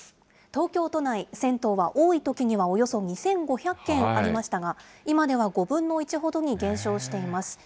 東京都内、銭湯は多いときにはおよそ２５００軒ありましたが、今では５分の１ほどに減少しています。